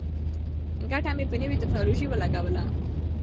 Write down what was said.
ګټه مې په نوې ټیکنالوژۍ ولګوله.